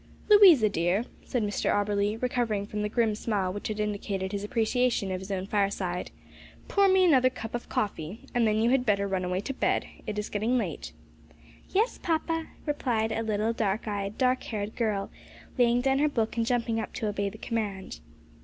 "Louisa, dear," said Mr Auberly, recovering from the grim smile which had indicated his appreciation of his own fireside, "pour me out another cup of coffee, and then you had better run away to bed. It is getting late." "Yes, papa," replied a little dark eyed, dark haired girl, laying down her book and jumping up to obey the command.